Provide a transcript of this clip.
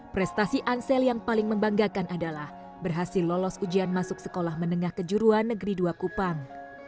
prestasi ansel yang paling membanggakan adalah berhasil lolos ujian masuk sekolah menengah kejuruan negeri dua kupang